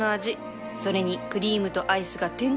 それにクリームとアイスがてんこ盛り